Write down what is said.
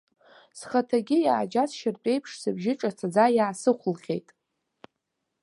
Схаҭагьы иааџьасшьартә еиԥш сыбжьы ҿацаӡа иаасыхәлҟьеит.